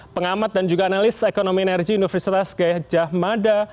pengamat dan juga analis ekonomi energi universitas gajah mada